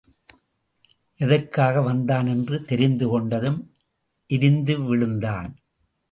எதற்காக வந்தான் என்று தெரிந்து கொண்டதும் எரிந்து விழுந்தான்.